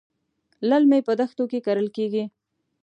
للمي په دښتو کې کرل کېږي.